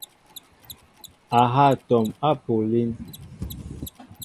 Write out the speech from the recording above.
A ha atɔm apuʼ alín.